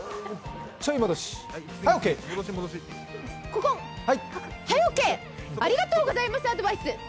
ここ、はいＯＫありがとうございます、アドバイス。